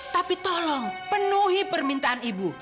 tapi tolong penuhi permintaan ibu